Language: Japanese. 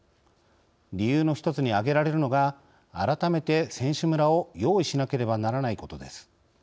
理由の一つに挙げられるのが改めて選手村を用意しなければならないことです。